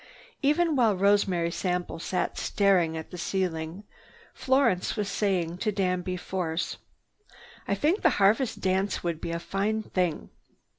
Even while Rosemary Sample sat staring at the ceiling, Florence was saying to Danby Force: "I think the Harvest Dance would be a fine thing.